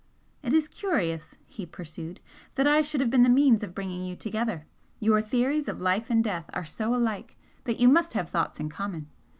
"It is curious," he pursued "that I should have been the means of bringing you together. Your theories of life and death are so alike that you must have thoughts in common.